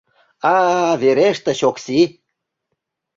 «А-а, верештыч, Окси!»